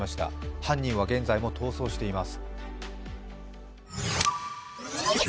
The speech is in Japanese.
犯人は現在も逃走しています。